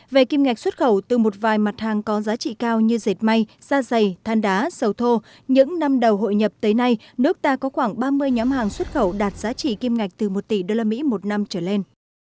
về kim ngạch xuất khẩu từ một vài mặt hàng có giá trị cao như dệt may da dày than đá sầu thô những năm đầu hội nhập tới nay nước ta có khoảng ba mươi nhóm hàng xuất khẩu đạt giá trị kim ngạch từ một tỷ usd một năm trở lên